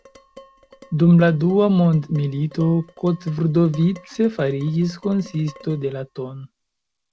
Dum la dua mondmilito Kotvrdovice fariĝis konsisto de la tn.